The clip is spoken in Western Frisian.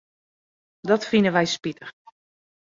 Dat fine wy spitich.